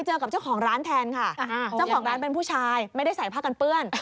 เจ้าของร้านเป็นผู้ชายไม่ได้ใส่ผ้ากันเปื้อน